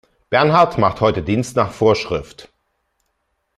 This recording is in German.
Bernhard macht heute Dienst nach Vorschrift.